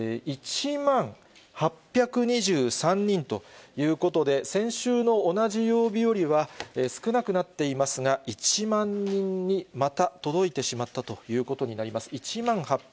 １万８２３人ということで、先週の同じ曜日よりは、少なくなっていますが、１万人にまた届いてしまったということになります。